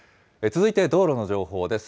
続いて道路の情報です。